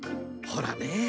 ほらね。